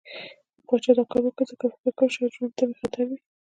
پاچا دا کار ځکه وکړ، ځکه فکر يې کوه شايد ژوند ته مې خطر وي.